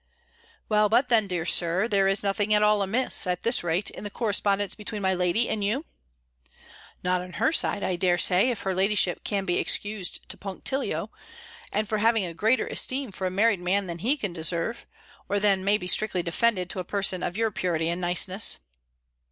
"Well, but then, dear Sir, there is nothing at all amiss, at this rate, in the correspondence between my lady and you?" "Not on her side, I dare say, if her ladyship can be excused to punctilio, and for having a greater esteem for a married man, than he can deserve, or than may be strictly defended to a person of your purity and niceness."